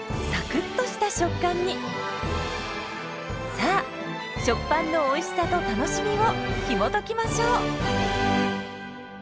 さあ「食パン」のおいしさと楽しみをひもときましょう！